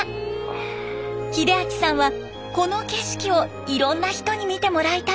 秀明さんはこの景色をいろんな人に見てもらいたいといいます。